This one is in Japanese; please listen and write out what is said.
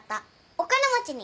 お金持ちに。